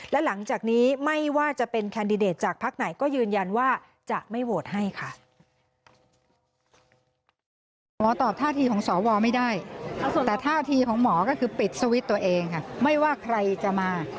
ต้องปิดสวิตช์ตัวเองค่ะไม่ว่าใครจะมา